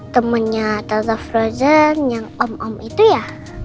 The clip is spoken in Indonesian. temennya tazah frozen yang om om itu ya